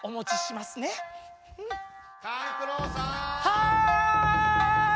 はい！